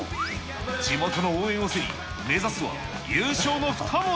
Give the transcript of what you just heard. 地元の応援を背に、目指すは優勝の２文字。